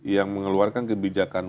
yang mengeluarkan kebijakan